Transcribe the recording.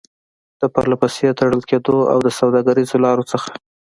د پرلپسې تړل کېدو او د سوداګريزو لارو څخه